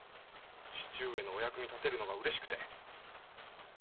義父上のお役に立てるのがうれしくて。